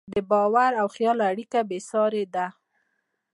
د باور او خیال اړیکه بېساري ده.